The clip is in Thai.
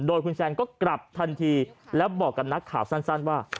โดยคุณแซนก็กลับทันทีแล้วบอกกับนักข่าวสั้นว่า